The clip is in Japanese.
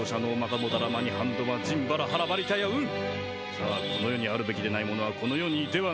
「さあこの世にあるべきでない者はこの世にいてはならぬ」